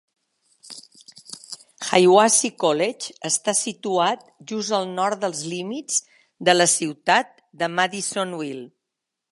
Hiwassee College està situat just al nord dels límits de la ciutat de Madisonville.